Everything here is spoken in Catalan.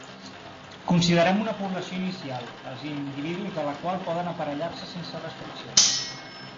Considerem una població inicial, els individus de la qual poden aparellar-se sense restriccions.